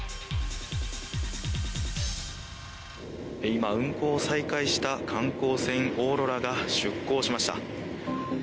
今、運航を再開した観光船「おーろら」が出港しました。